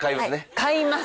買います！